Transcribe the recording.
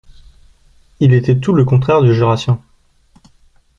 Il était tout le contraire du Jurassien.